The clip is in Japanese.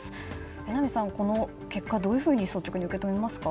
榎並さん、この結果を率直にどういうふうに受け止めますか。